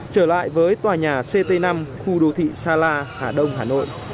trở lại với tòa nhà ct năm khu đô thị sa la hà đông hà nội